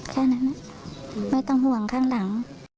แค่นั้นไม่ต้องห่วงข้างหลัง